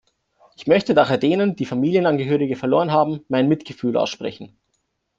Ich möchte daher denen, die Familienangehörige verloren haben, mein Mitgefühl aussprechen.